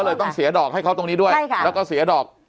เลยต้องเสียดอกให้เขาตรงนี้ด้วยแล้วก็เสียดอก